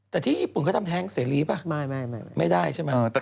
อ๋อแต่ที่ญี่ปุ่นก็ทำแท้งเสรีปะไม่ได้ใช่มั้ย